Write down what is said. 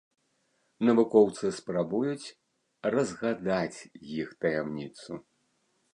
Навукоўцы спрабуюць разгадаць іх таямніцу.